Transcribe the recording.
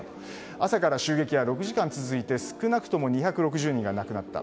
朝から襲撃は６時間続いて少なくとも２６０人が亡くなった。